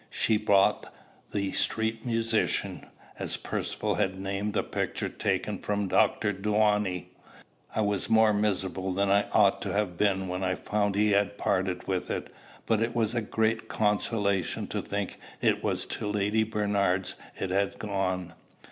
She bought "The Street Musician," as Percivale had named the picture taken from Dr. Donne. I was more miserable than I ought to have been when I found he had parted with it, but it was a great consolation to think it was to Lady Bernard's it had gone.